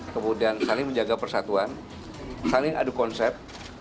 kemudian saling menjaga persatuan saling adu konsep